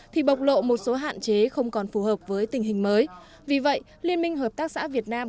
thì bộc lộ một số hạn chế không còn phù hợp với tình hình mới vì vậy liên minh hợp tác xã việt nam